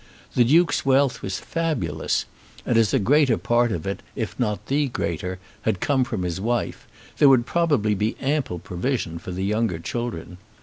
The Duke's wealth was fabulous, and as a great part of it, if not the greater, had come from his wife, there would probably be ample provision for the younger children.